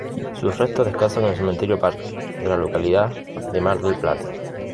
Sus restos descansan en el Cementerio Parque de la localidad de Mar del Plata.